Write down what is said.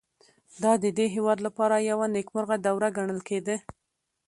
دا د دې هېواد لپاره یوه نېکمرغه دوره ګڼل کېده.